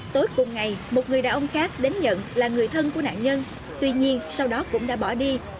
tối cùng ngày một người đàn ông khác đến nhận là người thân của nạn nhân tuy nhiên sau đó cũng đã bỏ đi